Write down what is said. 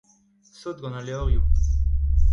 sot gant al levrioù